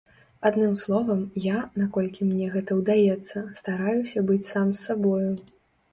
Адным словам, я, наколькі мне гэта ўдаецца, стараюся быць сам з сабою.